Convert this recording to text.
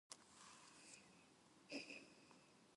タバコばっか吸ってて悲しくないの